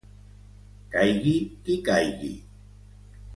Caigui qui caigui.